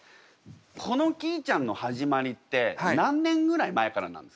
このきーちゃんの始まりって何年ぐらい前からなんですか？